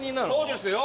そうですよ。